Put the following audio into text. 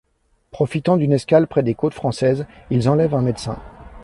Profitant d'une escale près des côtes françaises, ils enlèvent un médecin.